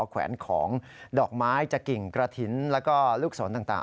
แขวนของดอกไม้จากกิ่งกระถิ่นแล้วก็ลูกสนต่าง